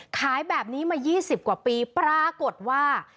ขายแบบนี้มา๒๐กว่าปีปรากฏว่า